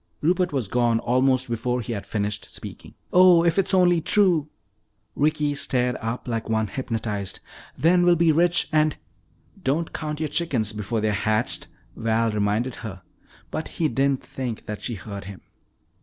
Rupert was gone almost before he had finished speaking. "Oh, if it's only true!" Ricky stared up like one hypnotized. "Then we'll be rich and " "Don't count your chickens before they're hatched," Val reminded her, but he didn't think that she heard him.